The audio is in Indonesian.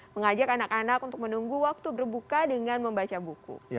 mengajak anak anak untuk menunggu waktu berbuka dengan membaca buku